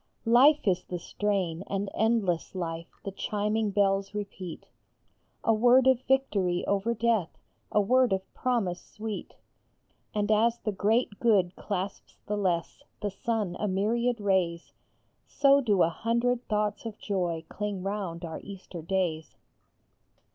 " Life " is the strain, and " endless life " the chiming bells repeat, A word of victory over death, a word of promise sweet ; And as the great good clasps the less, the sun a myriad rays, So do a hundred thoughts of joy cling round our Easter days.